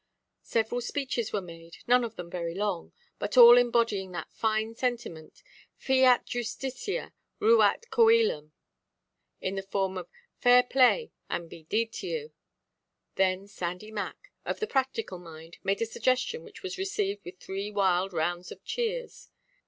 Several speeches were made, none of them very long, but all embodying that fine sentiment, "fiat justitia, ruat cœlum," in the form of "fair play, and be d—d to you." Then Sandy Mac, of the practical mind, made a suggestion which was received with three wild rounds of cheers.